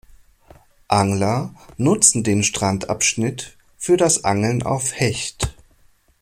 Angler nutzen den Strandabschnitt für das Angeln auf Hecht.